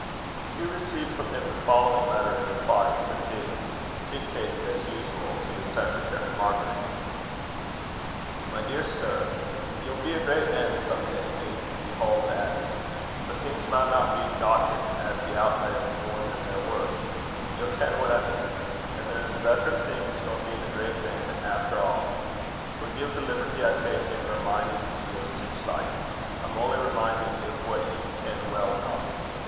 Hugh received from him the following letter in reply to his; dictated, as usual, to his secretary, Margaret: "MY DEAR SIR, "Ye'll be a great man some day, gin ye haud at it. But things maunna be gotten at the outlay o' mair than they're worth. Ye'll ken what I mean. An' there's better things nor bein' a great man, efter a'. Forgie the liberty I tak' in remin'in' ye o' sic like. I'm only remin'in' ye o' what ye ken weel aneuch.